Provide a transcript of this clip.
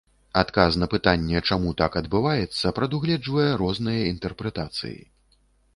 Адказ на пытанне, чаму так адбываецца, прадугледжвае розныя інтэрпрэтацыі.